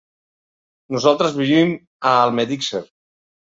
Nosaltres vivim a Almedíxer.